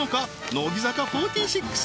乃木坂４６